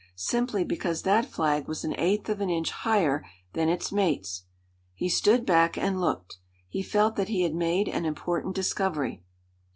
Simply because that flag was an eighth of an inch higher than its mates. He stood back and looked. He felt that he had made an important discovery.